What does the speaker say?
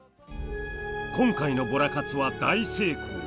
今回のボラ活は大成功！